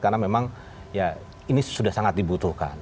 karena memang ya ini sudah sangat dibutuhkan